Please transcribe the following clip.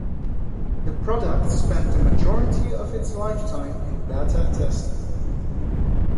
The product spent the majority of its lifetime in beta testing.